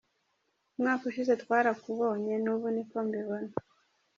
Umwaka ushize twarakubanye, n’ubu niko mbibona.